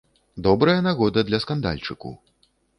Добрая нагода для скандальчыку.